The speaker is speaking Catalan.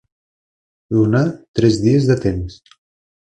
Donar tres dies de temps.